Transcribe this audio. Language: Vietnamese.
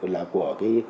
là của cái